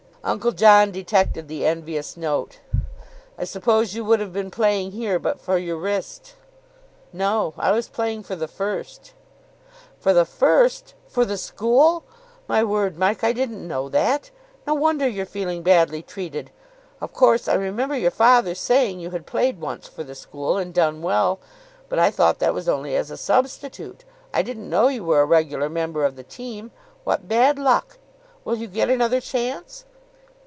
Uncle John detected the envious note. "I suppose you would have been playing here but for your wrist?" "No, I was playing for the first." "For the first? For the school! My word, Mike, I didn't know that. No wonder you're feeling badly treated. Of course, I remember your father saying you had played once for the school, and done well; but I thought that was only as a substitute. I didn't know you were a regular member of the team. What bad luck. Will you get another chance?"